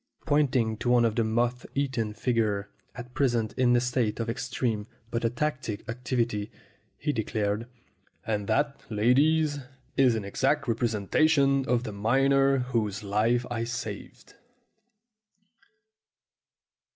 Pointing to one of the moth eaten figures, at present in a state of extreme but ataxic activity, he declared, "And that, ladies, is an exact representation of the miner whose life I saved!"